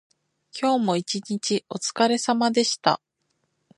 今日も一日おつかれさまでした。